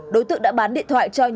đối tượng đã bán điện thoại cho anh